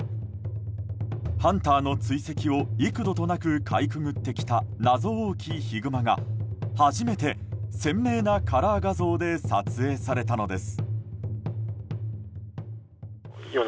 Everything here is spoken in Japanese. ハンターの追跡を幾度となくかいくぐってきた謎多きヒグマが初めて鮮明なカラー画像で撮影されたのです。